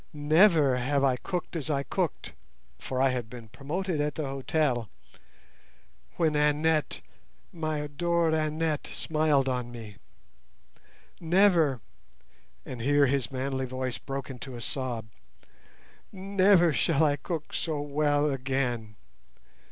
Never have I cooked as I cooked (for I had been promoted at the hotel) when Annette, my adored Annette, smiled on me. Never"—and here his manly voice broke into a sob—"never shall I cook so well again."